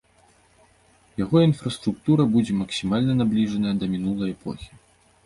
Яго інфраструктура будзе максімальна набліжаная да мінулай эпохі.